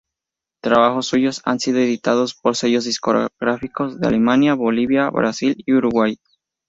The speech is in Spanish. Trabajos suyos han sido editados por sellos discográficos de Alemania, Bolivia, Brasil y Uruguay.